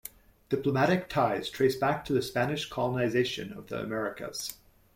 Diplomatic ties trace back to the Spanish colonization of the Americas.